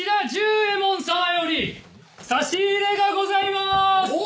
右衛門さまより差し入れがございまーすおぉ！